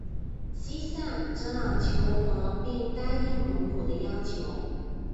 西夏只好求和并答应蒙古的要求。